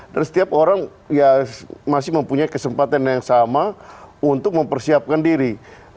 dan setiap orang ya masih mempunyai kesempatan yang sama untuk mempersiapkan diri